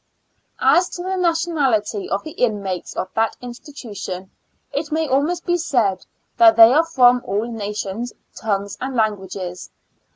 As to the nationality of the inmates of that institution, it may almost be said, that they are from all nations, tongues and lan guages.